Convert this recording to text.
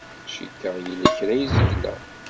Cikkeɣ yella kra ay zegleɣ.